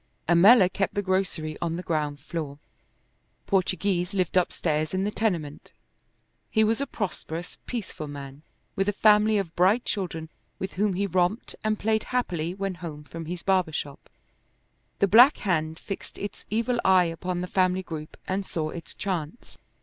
Ammella kept the grocery on the ground floor. Portoghese lived upstairs in the tenement. He was a prosperous, peaceful man, with a family of bright children, with whom he romped and played happily when home from his barber shop. The Black Hand fixed its evil eye upon the family group and saw its chance.